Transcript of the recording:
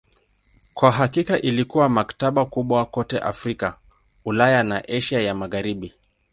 Kwa hakika ilikuwa maktaba kubwa kote Afrika, Ulaya na Asia ya Magharibi.